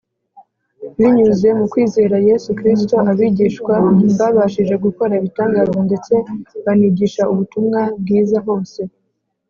binyuze mu kwizera Yesu Kristo abigishwa babashije gukora ibitangaza ndetse banigisha ubutumwa bwiza hose.